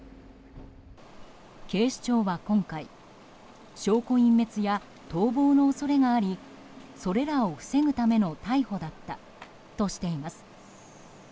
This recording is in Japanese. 警視庁は今回証拠隠滅や逃亡の恐れがありそれらを防ぐための逮捕だったとしています。